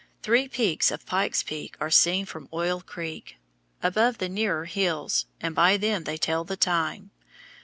Three peaks of Pike's Peak are seen from Oil Creek, above the nearer hills, and by them they tell the time.